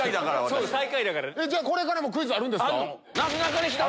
これからもクイズあるんですか？